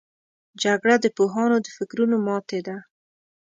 جګړه د پوهانو د فکرونو ماتې ده